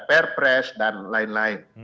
perpres dan lain lain